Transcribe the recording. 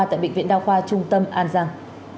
tại bệnh viện đao khoa trung tâm an giang